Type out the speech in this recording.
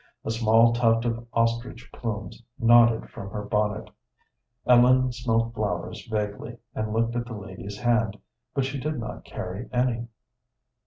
A small tuft of ostrich plumes nodded from her bonnet. Ellen smelt flowers vaguely, and looked at the lady's hand, but she did not carry any.